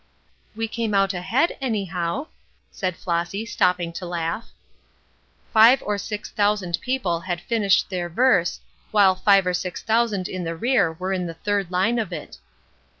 "We came out ahead, anyhow!" said Flossy, stopping to laugh. Five or six thousand people had finished their verse, while five or six thousand in the rear were in the third line of it.